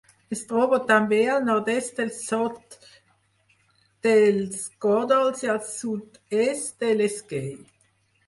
Es troba també al nord-est del Sot dels Còdols i al sud-est de l'Esquei.